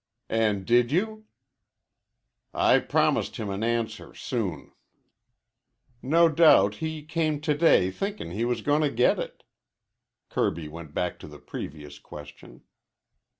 "And did you?" "I promised him an answer soon." "No doubt he came to day thinkin' he was goin' to get it." Kirby went back to the previous question.